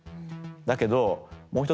だけどもう一つ